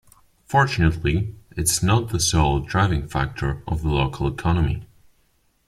Fortunately its not the sole driving factor of the local economy.